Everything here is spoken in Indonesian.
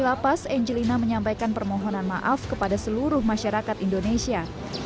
lapas angelina menyampaikan permohonan maaf kepada seluruh masyarakat indonesia